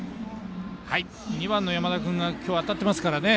２番の山田君が今日は当たっていますからね。